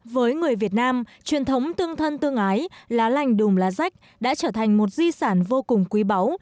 với người việt nam truyền thống tương thân tương ái lá lành đùm lá rách đã trở thành một di sản vô cùng quý báu